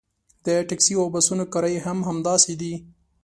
د ټکسي او بسونو کرایې هم همداسې دي.